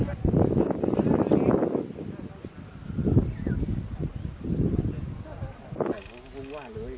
สุดท้ายเมื่อเวลาสุดท้าย